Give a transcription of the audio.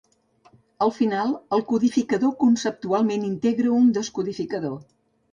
Al final, el codificador conceptualment integra un descodificador.